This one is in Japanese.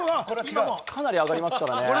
かなり上がりますからね。